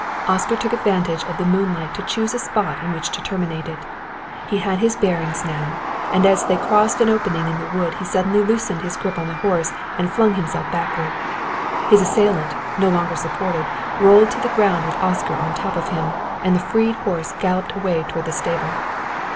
Oscar took advantage of the moonlight to choose a spot in which to terminate it. He had his bearings now, and as they crossed an opening in the wood he suddenly loosened his grip on the horse and flung himself backward. His assailant, no longer supported, rolled to the ground with Oscar on top of him, and the freed horse galloped away toward the stable.